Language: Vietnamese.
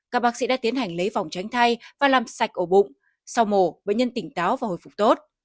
các bác sĩ đã tiến hành lấy phòng tránh thai và làm sạch ổ bụng sau mổ bệnh nhân tỉnh táo và hồi phục tốt